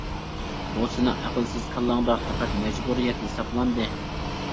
بۇ سېنىڭ ئەقىلسىز كاللاڭدا پەقەت مەجبۇرىيەت ھېسابلاندى.